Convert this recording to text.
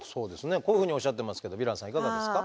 こういうふうにおっしゃってますけどヴィランさんいかがですか？